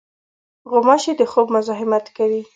غوماشې د خوب مزاحمت کوي.